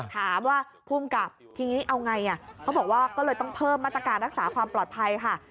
ถามว่าภูมิกับทีนี้เอาไงเขาบอกว่าก็เลยต้องเพิ่มมาตรการรักษาความปลอดภัยค่ะ